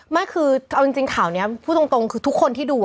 ไม่คือเอาจริงข่าวนี้พูดตรงคือทุกคนที่ดู